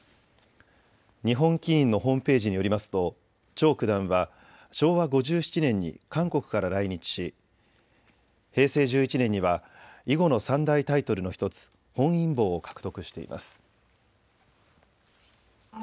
日本棋院のホームページによりますと趙九段は昭和５７年に韓国から来日し、平成１１年には囲碁の三大タイトルの１つ、本因坊を獲得しています。